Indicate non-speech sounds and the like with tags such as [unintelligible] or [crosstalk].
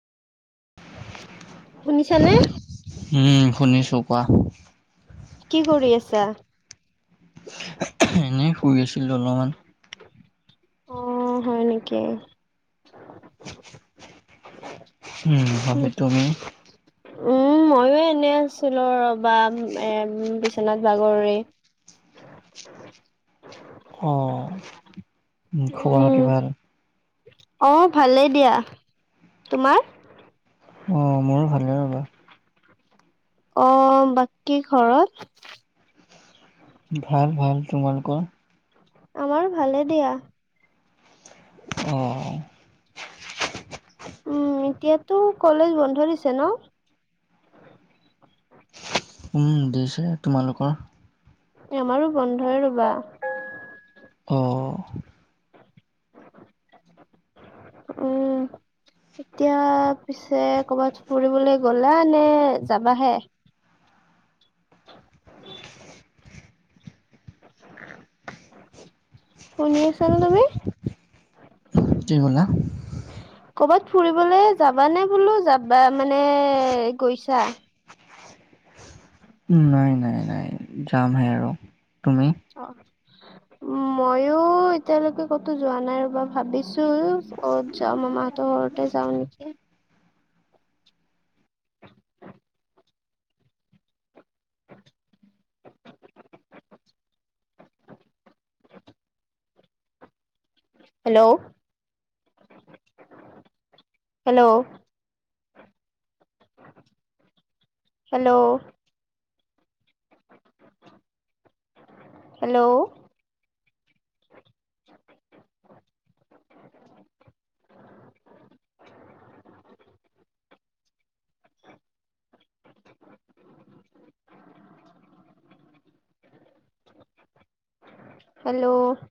শুনিছানে? উম শুনিছো কোৱা কি কৰি আছা? এনেই শুই আছিলো অলপমান। অ হয় নেকি উম ভালে তুমি উম মইয়ো এনে আছিলো ৰবা এ বিচনাত বাগৰি। অ', খবৰ উম। খাতি ভাল? অ', ভালেই দিয়া। তোমাৰ? অ', মোৰো ভালে ৰ'বা। অ', বাকী ঘৰত ভাল ভাল। তোমালোকৰ? আমাৰো ভালে দিয়া। অ'। উম এতিয়াতো কলেজ বন্ধ দিছে ন। উম দিছে। তোমালোকৰ আমাৰো বন্ধই ৰবা। অ উম। [unintelligible] এতিয়া পিছে কবাত ফুৰিবলে গ'লা নে যাবাহে? [unintelligible] উ [unintelligible] শুনি আছানে তুমি? কি ক'লা কবাত ফুৰিবলে যাবা নে বোলো যাবা মানে গৈছা? নাই নাই নাই যামহে আৰু। তুমি অ মইও এতিয়ালৈকে কতো যোৱা নাই ৰবা ভাবিছো। কৰবাত যাম মামাহঁতৰ ঘৰতে যাওঁ নেকি। [unintelligible] Hello hello. Hello hello hello